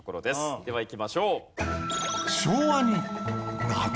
ではいきましょう。